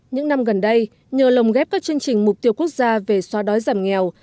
những năm gần đây nhờ lồng ghép các chương trình mục tiêu quốc gia về xóa đói giảm nghèo